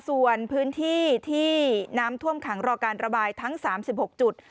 ส่วนพื้นที่ที่น้ำท่วมขังรอการระบายทั้ง๓๖จุด